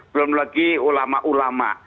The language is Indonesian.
belum lagi ulama ulama